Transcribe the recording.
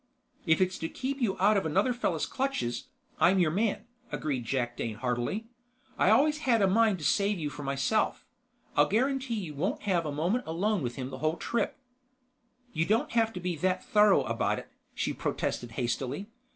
"If it's to keep you out of another fellow's clutches, I'm your man," agreed Jakdane heartily. "I always had a mind to save you for myself. I'll guarantee you won't have a moment alone with him the whole trip." "You don't have to be that thorough about it," she protested hastily.